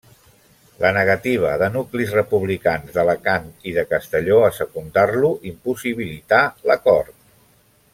La negativa de nuclis republicans d'Alacant i de Castelló a secundar-lo impossibilità l'acord.